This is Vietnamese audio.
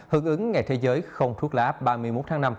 hứng ứng ngày thế giới không thuốc lá ba mươi một tháng năm